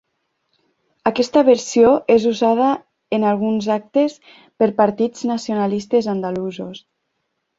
Aquesta versió és usada en alguns actes per partits nacionalistes andalusos.